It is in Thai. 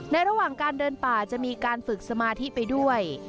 ระหว่างการเดินป่าจะมีการฝึกสมาธิไปด้วย